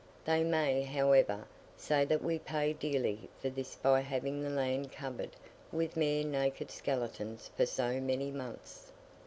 They may, however, say that we pay dearly for this by having the land covered with mere naked skeletons for so many months.